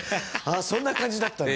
そんな感じだったんだ。